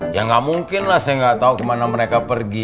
ya gak mungkin lah saya gak tau kemana mereka pergi